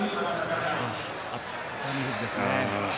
熱海富士ですが。